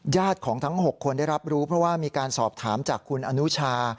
ของทั้ง๖คนได้รับรู้เพราะว่ามีการสอบถามจากคุณอนุชา